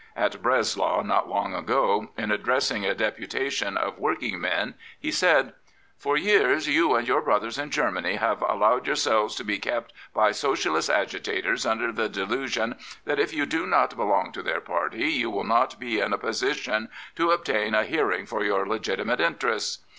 At Breslau not long ago, in addressing a deputation of working men, he said : For years you and your brothers in Germany have allowed yourselves to be kept by Socialist agitators under the delusion that if you do not belong to their party you will not be in a position to obtain a hearing for your legitimate interests.